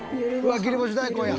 わあ切り干し大根や。